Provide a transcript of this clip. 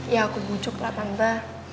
ya aku bujuk lah tante